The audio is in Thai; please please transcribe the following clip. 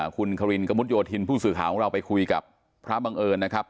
คุณครินกระมุดโยธินผู้สื่อข่าวของเราไปคุยกับพระบังเอิญนะครับ